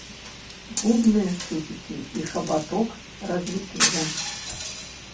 Губныя шчупікі і хабаток развітыя.